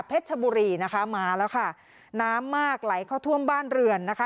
ชบุรีนะคะมาแล้วค่ะน้ำมากไหลเข้าท่วมบ้านเรือนนะคะ